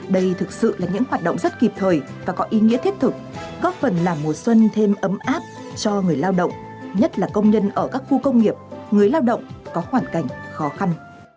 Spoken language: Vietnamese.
đây thực sự là những hoạt động rất kịp thời và có ý nghĩa thiết thực góp phần làm mùa xuân thêm ấm áp cho người lao động nhất là công nhân ở các khu công nghiệp người lao động có hoàn cảnh khó khăn